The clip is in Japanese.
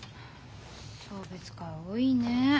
送別会多いねえ。